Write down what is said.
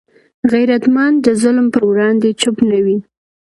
غیرتمند د ظلم پر وړاندې چوپ نه وي